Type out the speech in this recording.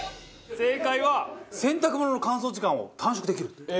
正解は洗濯物の乾燥時間を短縮できるという。